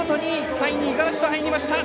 ３位、五十嵐と入りました。